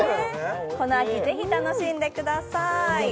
この秋、ぜひ楽しんでください。